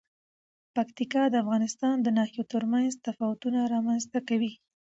پکتیکا د افغانستان د ناحیو ترمنځ تفاوتونه رامنځ ته کوي.